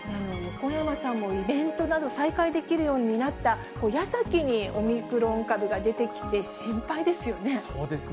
横山さんも、イベントなど、再開できるようになったやさきに、オミクロン株がそうですね。